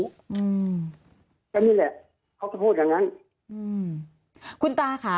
ก็นี่แหละเขาก็พูดอย่างนั้น